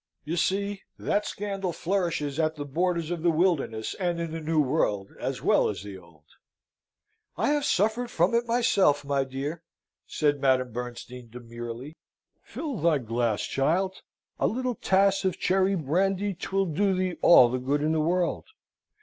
You see that scandal flourishes at the borders of the wilderness, and in the New World as well as the Old." "I have suffered from it myself, my dear!" said Madame Bernstein, demurely. "Fill thy glass, child! A little tass of cherry brandy! 'Twill do thee all the good in the world."